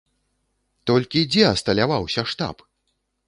Толькі дзе асталяваўся штаб?